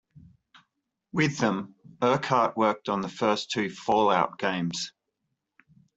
With them, Urquhart worked on the first two "Fallout" games.